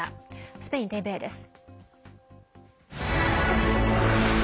スペインＴＶＥです。